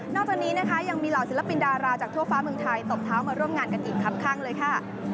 จากนี้นะคะยังมีเหล่าศิลปินดาราจากทั่วฟ้าเมืองไทยตบเท้ามาร่วมงานกันอีกครับข้างเลยค่ะ